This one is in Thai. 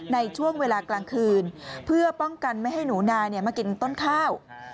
ในช่วงเวลากลางคืนเพื่อป้องกันไม่ให้หนูนายมากินต้นข้าว